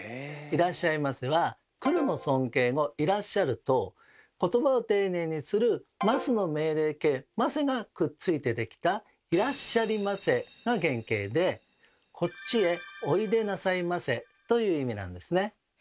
「いらっしゃいませ」は「来る」の尊敬語「いらっしゃる」と言葉を丁寧にする「ます」の命令形「ませ」がくっついてできた「いらっしゃりませ」が原形で「こっちへおいでなさいませ」という意味なんですね。